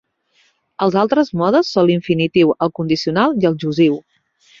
Els altres modes són l'infinitiu, el condicional i el jussiu.